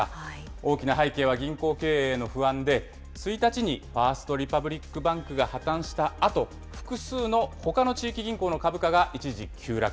大きな背景は銀行経営への不安で、１日にファースト・リパブリック・バンクが破綻したあと、複数のほかの地域銀行の株価が一時急落